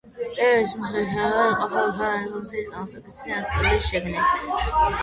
ტიპის მიხედვით შენობები იყოფა უშუალოდ ფუნქციის, კონსტრუქციის ან სტილის შიგნით.